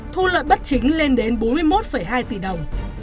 thu lợi bất chính lên đến bốn mươi một hai tỷ đồng